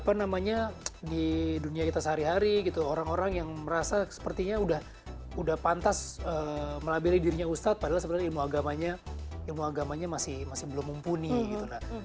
karena banyak sekali di dunia kita sehari hari gitu orang orang yang merasa sepertinya udah pantas melabeli dirinya ustadz padahal sebenarnya ilmu agamanya masih belum mumpuni gitu